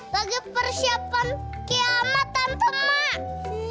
lagi persiapan kiamat tantem mak